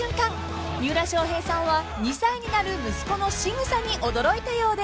［三浦翔平さんは２歳になる息子のしぐさに驚いたようで］